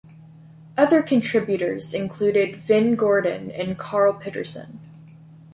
Other contributors included Vin Gordon, and Karl Pitterson.